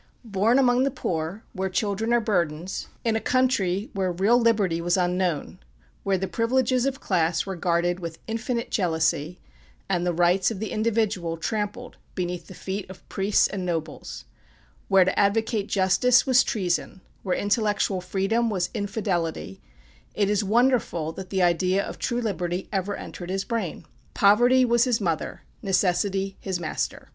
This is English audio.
Born among the poor, where children are burdens; in a country where real liberty was unknown; where the privileges of class were guarded with infinite jealousy, and the rights of the individual trampled beneath the feet of priests and nobles; where to advocate justice was treason; where intellectual freedom was Infidelity, it is wonderful that the idea of true liberty ever entered his brain. Poverty was his mother Necessity his master.